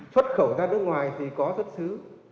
xuất khẩu ra nước ngoài thì có xuất xứ